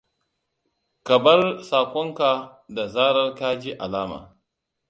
Ka bar saƙonka da zarar ka ji alama.